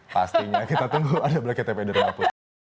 pastinya kita tunggu ada blacket tp di rumahnya puspa